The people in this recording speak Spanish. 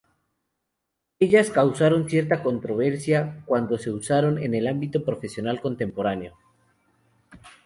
Ellas causaron cierta controversia cuando se usaron en el ámbito profesional contemporáneo.